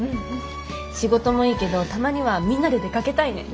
仕事もいいけどたまにはみんなで出かけたいね。